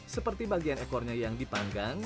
seperti bagian ekornya yang dipanggang